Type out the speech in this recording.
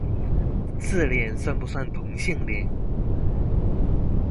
自戀算不算同性戀？